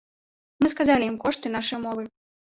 Мы сказалі ім кошт і нашы ўмовы.